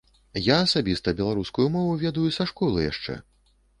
Я асабіста беларускую мову ведаю са школы яшчэ.